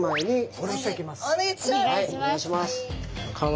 お願いします！